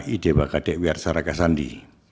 ide bakadek wiar saragasandi